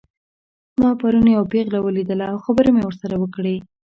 ما پرون یوه پیغله ولیدله او خبرې مې ورسره وکړې